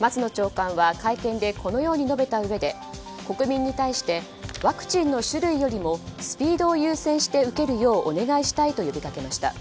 松野長官は会見でこのように述べたうえで国民に対してワクチンの種類よりもスピードを優先して受けるようお願いしたいと呼びかけました。